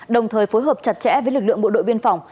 đồng thời phối hợp chặt chẽ với lực lượng bộ đội biên phòng